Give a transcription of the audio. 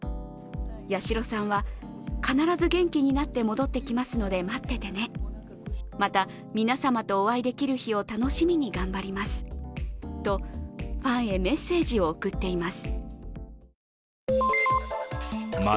八代さんは必ず元気になって戻ってきますので待っててね、また皆様とお会いできる日を楽しみに頑張りますとファンヘメッセージを送っています。